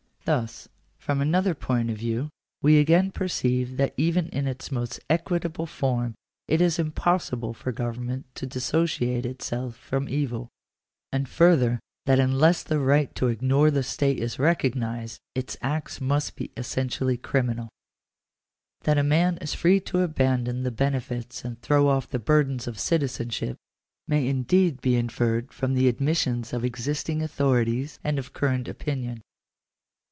Thus, from another point of view, we again perceive that even in its most equitable form it is impossible for government to dissociate itself from evil ; and further, that unless the right to ignore the state is recognised, its acts must be essentially J criminal. § 5. That a man is free to abandon the benefits and throw off the burdens of citizenship, may indeed be inferred from the admis sions of existing authorities and of current opinion.